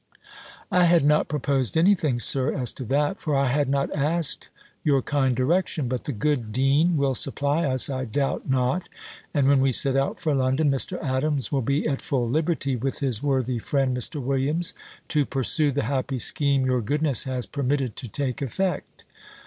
"I had not proposed anything, Sir, as to that, for I had not asked your kind direction: but the good dean will supply us, I doubt not, and when we set out for London, Mr. Adams will be at full liberty, with his worthy friend, Mr. Williams, to pursue the happy scheme your goodness has permitted to take effect."